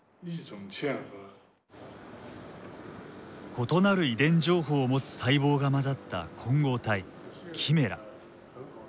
異なる遺伝情報を持つ細胞が混ざった混合体キメラ。